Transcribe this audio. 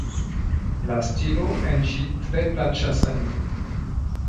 La stilo en ĝi tre plaĉas al mi.